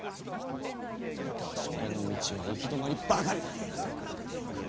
俺の道は行き止まりばかりだ。